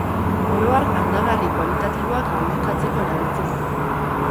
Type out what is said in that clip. Oro har, aldagarri kualitatiboak irudikatzeko erabiltzen da.